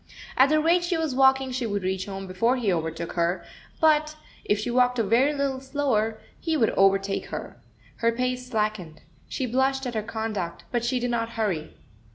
At the rate she was walking she would reach home before he overtook her, but, if she walked a very little slower, he would overtake her. Her pace slackened. She blushed at her conduct, but she did not hurry.